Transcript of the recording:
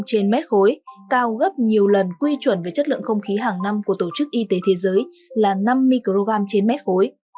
trên mét khối cao gấp nhiều lần quy chuẩn về chất lượng không khí hàng năm của tổ chức y tế thế giới là năm microgram trên mét khối